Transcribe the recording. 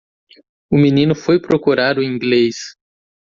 O menino foi procurar o inglês.